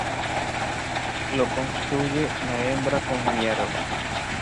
Lo construye la hembra con hierba.